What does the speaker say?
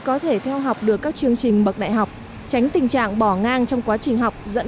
có thể theo học được các chương trình bậc đại học tránh tình trạng bỏ ngang trong quá trình học dẫn